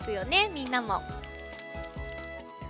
みんなも。